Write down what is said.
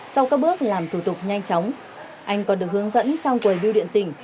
sau các bước làm thủ tục nhanh chóng anh còn được hướng dẫn sang quầy biêu điện tỉnh